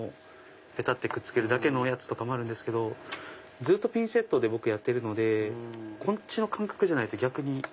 ペタってくっつけるだけのやつもあるんですけどずっとピンセットで僕やってるのでこっちの感覚じゃないと逆に。